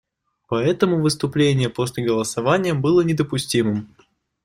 Поэтому выступление после голосования было недопустимым.